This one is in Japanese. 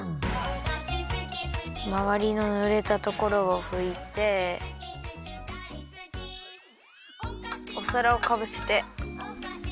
まわりのぬれたところをふいておさらをかぶせてよいしょ。